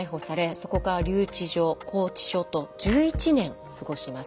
そこから留置場拘置所と１１年過ごします。